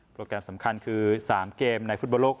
แกรมสำคัญคือ๓เกมในฟุตบอลโลก